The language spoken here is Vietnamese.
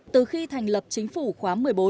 từ khi thành lập chính phủ khóa một mươi bốn